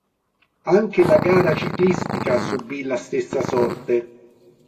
Anche la gara ciclistica subì la stessa sorte.